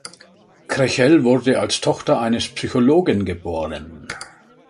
Krechel wurde als Tochter eines Psychologen geboren.